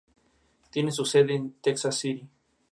Entre sus facultades hay una escuela de música y una de negocios.